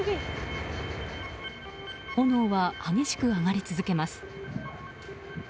炎は激しく上がり続けます。